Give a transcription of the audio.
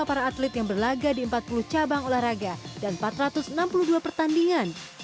para atlet yang berlaga di empat puluh cabang olahraga dan empat ratus enam puluh dua pertandingan